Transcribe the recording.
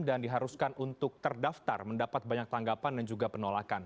dan diharuskan untuk terdaftar mendapat banyak tanggapan dan juga penolakan